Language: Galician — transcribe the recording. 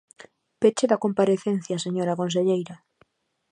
Peche da comparecencia, señora conselleira.